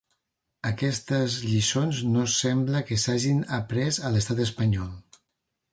Aquestes lliçons no sembla que s’hagin après a l’estat espanyol.